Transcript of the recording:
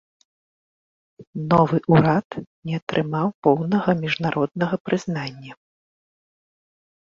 Новы ўрад не атрымаў поўнага міжнароднага прызнання.